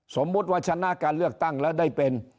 สมมุติว่าชนะการเลือกตั้งแล้วได้เป็น